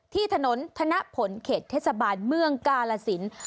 ที่ถนนธนผลเขตเทศบาลเมืองกาลสิน